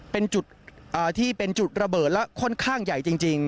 เป็นจุดที่เป็นจุดระเบิดและค่อนข้างใหญ่จริง